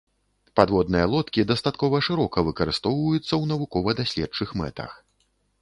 Падводныя лодкі дастаткова шырока выкарыстоўваюцца ў навукова-даследчых мэтах.